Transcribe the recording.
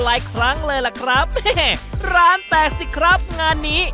หลายครั้งเลยล่ะครับแม่ร้านแตกสิครับงานนี้